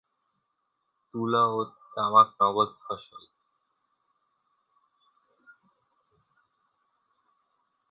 তুলা ও তামাক নগদ ফসল।